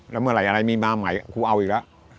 แล้วเมื่อไหร่อะไรมีมาใหม่ครูเอาอีกแล้ว